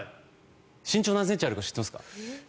身長何センチあるか知ってますか？